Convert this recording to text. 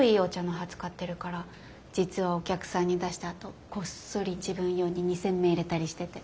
使ってるから実はお客さんに出したあとこっそり自分用に二煎目いれたりしてて。